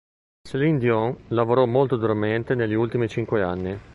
Céline Dion lavorò molto duramente negli ultimi cinque anni.